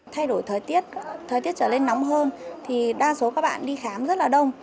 thay đổi thời tiết thời tiết trở lên nóng hơn thì đa số các bạn đi khám rất là đông